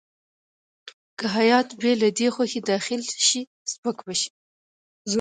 که هیات بې له ده خوښې داخل شي سپک به شي.